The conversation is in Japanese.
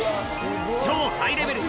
超ハイレベル！